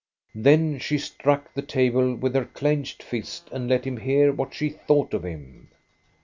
Then she struck the table with her clenched fist and let him hear what she thought of him.